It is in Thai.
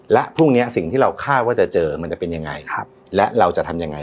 และพรุ่งนี้สิ่งที่เราคาดว่าจะเจอมันจะเป็นยังไงและเราจะทำยังไง